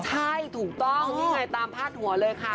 ใช่ถูกต้องนี่ไงตามพาดหัวเลยค่ะ